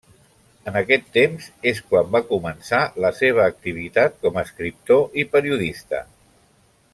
En aquest temps és quan va començar la seva activitat com a escriptor i periodista.